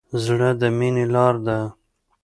زړه د مینې لاره ده.